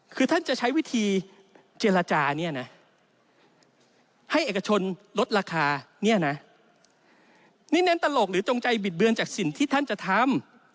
คือท่านจะใช้วิธีเจรจาเนี่ยนะให้เอกชนลดราคาเนี่ยนะนี่เน้นตลกหรือจงใจบิดเบือนจากสิ่งที่ท่านจะทำ